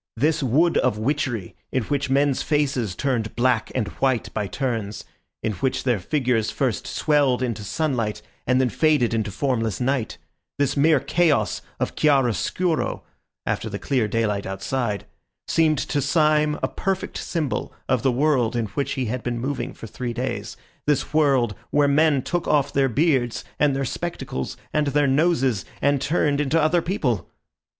This wood of witchery, in which men's faces turned black and white by turns, in which their figures first swelled into sunlight and then faded into formless night, this mere chaos of chiaroscuro (after the clear daylight outside), seemed to Syme a perfect symbol of the world in which he had been moving for three days, this world where men took off their beards and their spectacles and their noses, and turned into other people.